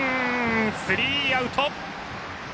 スリーアウト。